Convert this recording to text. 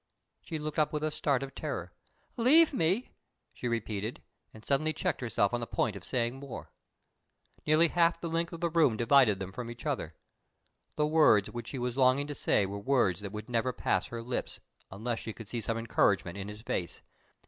She looked up with a start of terror. "Leave me?" she repeated, and suddenly checked herself on the point of saying more. Nearly half the length of the room divided them from each other. The words which she was longing to say were words that would never pass her lips unless she could see some encouragement in his face.